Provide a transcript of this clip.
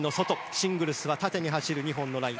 シングルスは縦に走る２本のライン。